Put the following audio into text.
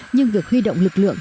nhưng việc huy động lực lượng